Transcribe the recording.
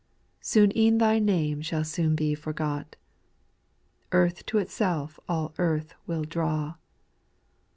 Soon e'en thy name shall be forgot. Earth to itself all earth will draw.